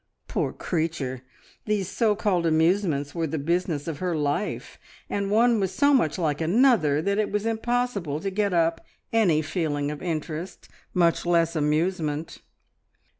Poor creature, these so called amusements were the business of her life, and one was so much like another that it was impossible to get up any feeling of interest, much less amusement.